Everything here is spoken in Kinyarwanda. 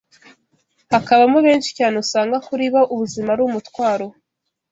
hakabamo benshi cyane usanga kuri bo ubuzima ari umutwaro